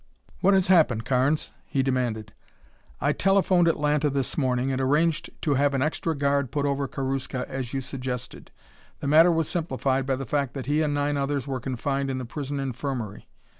"What has happened, Carnes?" he demanded. "I telephoned Atlanta this morning and arranged to have an extra guard put over Karuska as you suggested. The matter was simplified by the fact that he and nine others were confined in the prison infirmary.